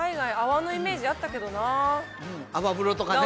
泡風呂とかね！